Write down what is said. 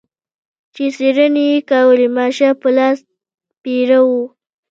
چې څېړنې یې کولې ماشه په لاس پیره و.